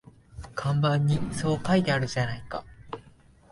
看板にそう書いてあるじゃないか